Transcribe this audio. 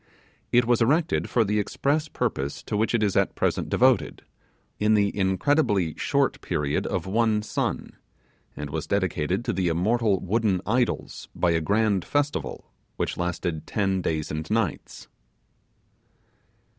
It was erected for the express purpose to which it is at present devoted, in the incredibly short period of one sun; and was dedicated to the immortal wooden idols by a grand festival, which lasted ten days and nights.